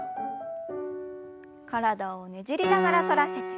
体をねじりながら反らせて。